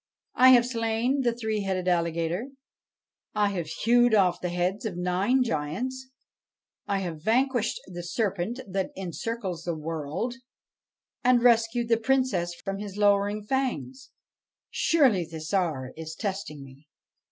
I have slain the three headed alligator ; I have hewed off the heads of nine giants ; I have vanquished the serpent that encircles the world, and rescued the Princess from his lowering fangs. Surely the Tsar is testing me